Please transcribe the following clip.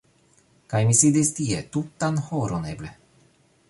Kaj mi sidis tie tutan horon eble.